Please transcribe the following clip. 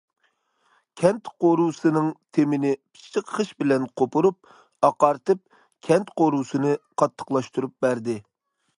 كەنت قورۇسىنىڭ تېمىنى پىششىق خىش بىلەن قوپۇرۇپ، ئاقارتىپ، كەنت قورۇسىنى قاتتىقلاشتۇرۇپ بەردى.